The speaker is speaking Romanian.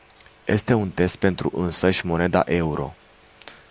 Este un test pentru însăși moneda euro.